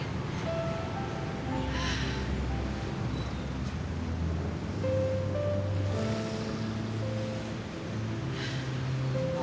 aku nyari kertas sama pulpen dulu ya